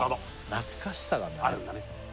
懐かしさがあるんだね